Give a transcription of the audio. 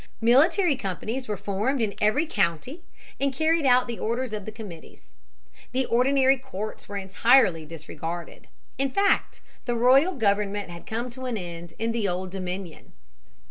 Military companies were formed in every county and carried out the orders of the committees. The ordinary courts were entirely disregarded. In fact, the royal government had come to an end in the Old Dominion.